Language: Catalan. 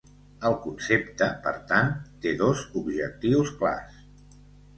El concepte, per tant, té dos objectius clars.